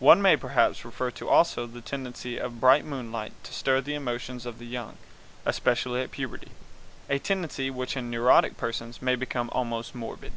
One may perhaps refer also to the tendency of bright moonlight to stir the emotions of the young, especially at puberty, a tendency which in neurotic persons may become almost morbid.